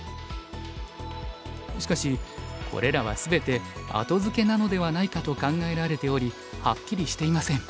しかしこれらは全て後付けなのではないかと考えられておりはっきりしていません。